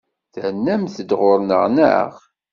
Ternamt-d ɣur-neɣ, naɣ?